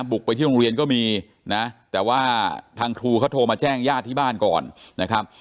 บุกไปที่โรงเรียนก็มีนะแต่ว่าทางครูเขาโทรมาแจ้งญาติที่บ้านก่อนนะครับ